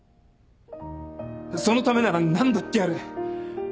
そのためなら何だってやる。